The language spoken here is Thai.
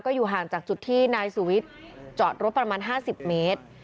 อยู่ห่างจากจุดที่นายสุวิทย์จอดรถประมาณ๕๐เมตร